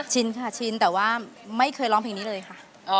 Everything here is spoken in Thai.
ชินค่ะชินแต่ว่าไม่เคยร้องเพลงนี้เลยค่ะ